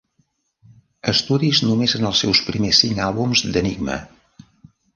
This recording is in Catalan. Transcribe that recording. Estudis només en els seus primers cinc àlbums d'Enigma.